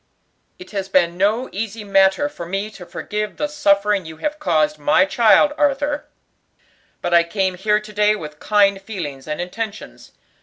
"It has been no easy matter for me to forgive the suffering you have caused my child, Arthur; but I came here to day with kind feelings and intentions.